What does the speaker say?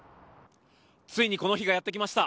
ついにこの日がやってきました。